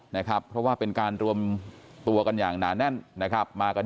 นะครับเพราะว่าเป็นการรวมตัวกันอย่างหนาแน่นนะครับมากัน